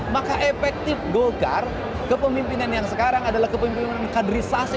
maka efektif golkar kepemimpinan yang sekarang adalah kepemimpinan kaderisasi